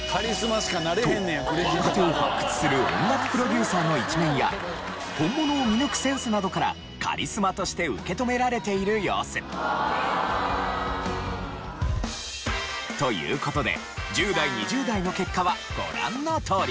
と若手を発掘する音楽プロデューサーの一面や本物を見抜くセンスなどからカリスマとして受け止められている様子。という事で１０代２０代の結果はご覧のとおり。